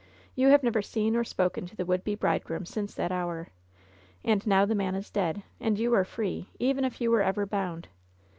You have never seen or spoken to the wonld be bride groom since that hour ; and now the man is dead, and you are free, even if you were ever bound.